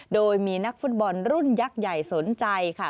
โดยมีนักฟุตบอลรุ่นยักษ์ใหญ่สนใจค่ะ